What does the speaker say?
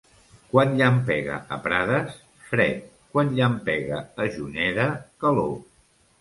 Quan llampega a Prades, fred; quan llampega a Juneda, calor.